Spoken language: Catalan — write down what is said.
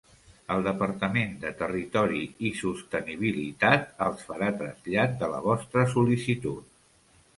El Departament de Territori i Sostenibilitat els farà trasllat de la vostra sol·licitud.